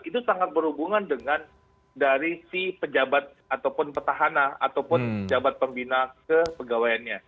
itu sangat berhubungan dengan dari si pejabat ataupun pertahanan ataupun jabat pembina ke pegawainya